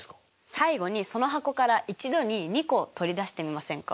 最後にその箱から一度に２個取り出してみませんか？